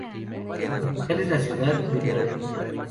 Su capital es la ciudad de Beroun.